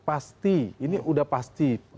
pasti ini udah pasti